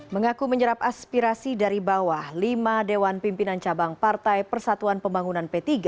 mengaku menyerap aspirasi dari bawah lima dewan pimpinan cabang partai persatuan pembangunan p tiga